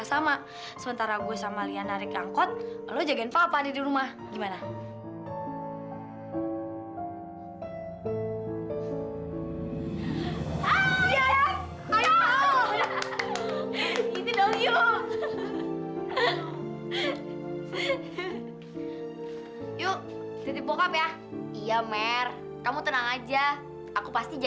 sampai jumpa di video selanjutnya